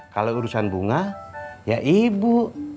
kalau urusan bunga ya ibu